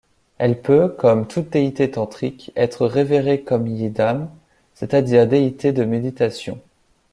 Elle peut, comme toutes déités tantriques, être révérée comme yidam, c'est-à-dire déité de méditation.